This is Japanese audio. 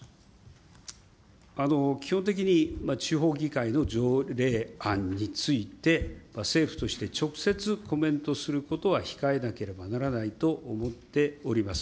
基本的に地方議会の条例案について、政府として直接コメントすることは控えなければならないと思っております。